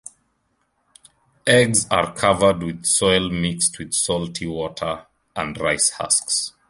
Eggs are covered with soil mixed with salty water and rice husks.